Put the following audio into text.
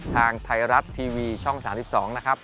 ทางไทยรัฐทีวีช่อง๓๒นะครับ